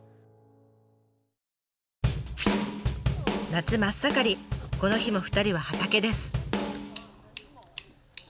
夏真っ盛りこの日も２人は畑です。